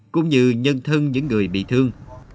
cũng như nhân thân những người bị thương